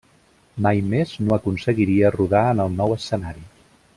Mai més no aconseguiria rodar en el nou escenari.